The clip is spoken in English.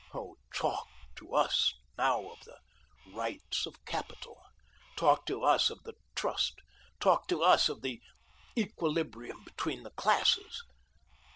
Oh, talk to US now of the 'rights of Capital,' talk to US of the Trust, talk to US of the 'equilibrium between the classes.'